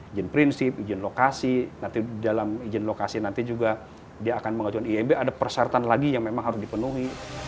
izin prinsip izin lokasi nanti dalam izin lokasi nanti juga dia akan mengajukan ieb ada persyaratan lagi yang memang harus dipenuhi